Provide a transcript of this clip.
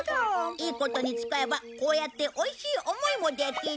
いいことに使えばこうやっておいしい思いもできる。